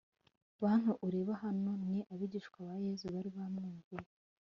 BANTU ureba hano ni abigishwa ba Yesu Bari bamwumviye